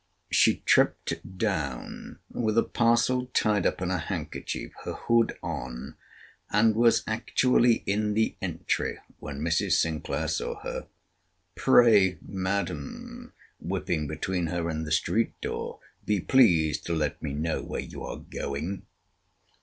She tripped down, with a parcel tied up in a handkerchief, her hood on; and was actually in the entry, when Mrs. Sinclair saw her. Pray, Madam, whipping between her and the street door, be pleased to let me know where you are going?